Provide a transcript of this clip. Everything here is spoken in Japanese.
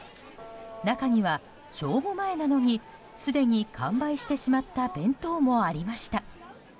中には正午前なのにすでに完売してしまった弁当もありました。